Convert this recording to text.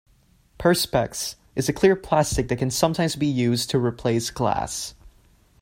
Perspex is a clear plastic that can sometimes be used to replace glass